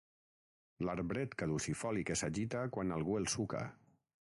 L'arbret caducifoli que s'agita quan algú el suca.